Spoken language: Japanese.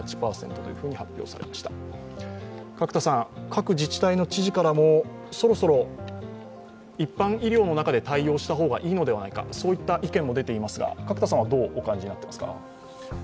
各自治体の知事からも、そろそろ一般医療の中で対応した方がいいのではないかという意見も出ていますが、どうお感じになっていますか？